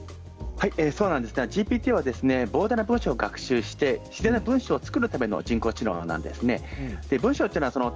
ＧＰＴは膨大な文章を学習して自然な文章を作るための人工知能です。